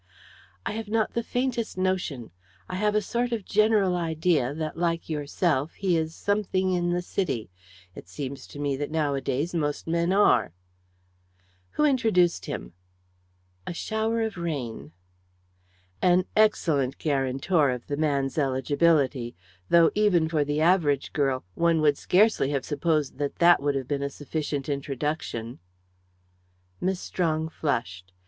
"I have not the faintest notion. I have a sort of general idea that, like yourself, he is something in the City. It seems to me that nowadays most men are." "Who introduced him?" "A shower of rain." "An excellent guarantor of the man's eligibility, though, even for the average girl, one would scarcely have supposed that that would have been a sufficient introduction." Miss Strong flushed.